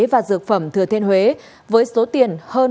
và dược phẩm thừa thiên huế với số tiền hơn ba mươi tỷ đồng